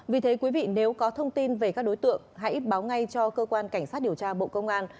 vì thế quý vị nếu có thông tin về các đối tượng hãy báo ngay cho cơ quan cảnh sát điều tra bộ công an